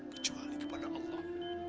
kecuali kepada allah